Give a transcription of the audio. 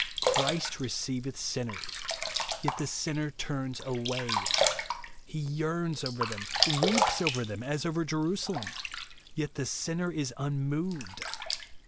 Christ receiveth sinners ; yet the sinner turns away ! He yearns over them, weeps over them, as over Jerusalem ; yet the sinner is unmoved